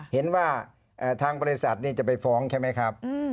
เห็นว่าทางบริษัทจะไปฟ้องใช่ไหมครับ